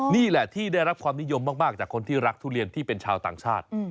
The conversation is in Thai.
นี่แหละที่ได้รับความนิยมมากจากคนที่รักทุเรียนที่เป็นชาวต่างชาติ